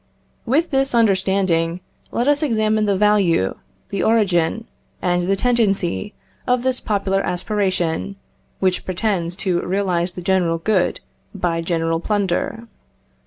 With this understanding, let us examine the value, the origin, and the tendency of this popular aspiration, which pretends to realise the general good by general plunder.